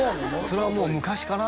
それはもう昔から？